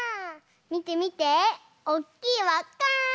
みてみておっきいわっか！